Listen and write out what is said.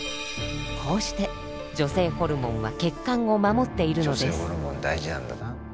こうして女性ホルモンは血管を守っているのです。